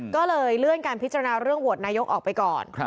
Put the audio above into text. ก็เลยเลื่อนการพิจารณาเรื่องโหวตนายกออกไปก่อน